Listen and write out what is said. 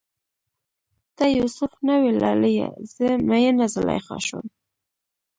ته یو سف نه وی لالیه، زه میینه زلیخا شوم